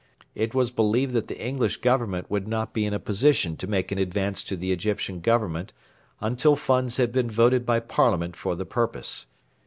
It was believed that the English Government would not be in a position to make an advance to the Egyptian Government until funds had been voted by Parliament for the purpose.